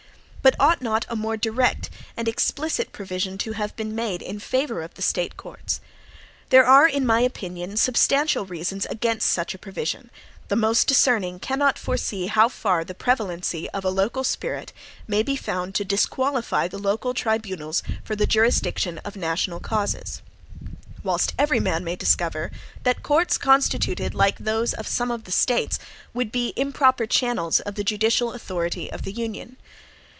But ought not a more direct and explicit provision to have been made in favor of the State courts? There are, in my opinion, substantial reasons against such a provision: the most discerning cannot foresee how far the prevalency of a local spirit may be found to disqualify the local tribunals for the jurisdiction of national causes; whilst every man may discover, that courts constituted like those of some of the States would be improper channels of the judicial authority of the Union.